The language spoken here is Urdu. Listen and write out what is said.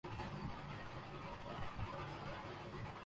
عالمی بینک کے اعلی سطحی وفد کی مشیر خزانہ سے ملاقات